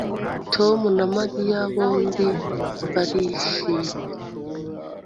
Tom na Mariya bombi barishimye